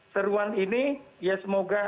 seruan ini ya semoga